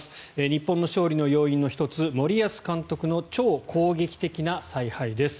日本の勝利の要因の１つ森保監督の超攻撃的な采配です。